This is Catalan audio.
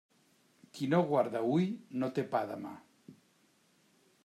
Qui no guarda hui no té pa demà.